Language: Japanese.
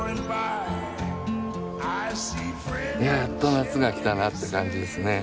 やっと夏が来たなって感じですね。